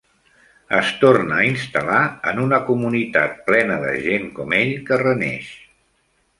Es torna a instal·lar en una comunitat plena de gent com ell que "reneix".